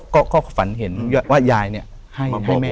ก็ฝันเห็นว่ายายให้แม่แล้ว